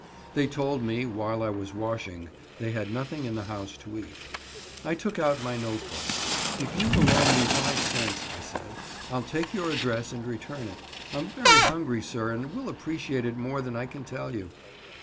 They told me, while I was washing, they had nothing in the house to eat. I took out my note book. "If you will loan me five cents," I said, "I'll take your address and return it. I'm very hungry, sir, and will appreciate it more than I can tell you."